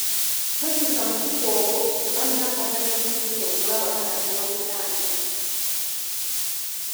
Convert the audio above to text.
Tokyusa mukutu ogwo kuba nina akazannyo ke ninda okulaba akanaatera okutandika.